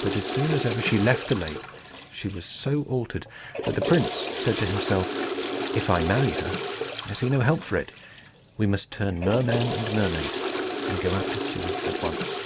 But as soon as ever she left the lake, she was so altered, that the prince said to himself, "If I marry her, I see no help for it: we must turn merman and mermaid, and go out to sea at once."